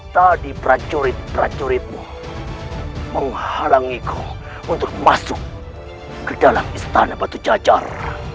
tadi prajurit prajuritmu menghalangiku untuk masuk ke dalam istana batu jajar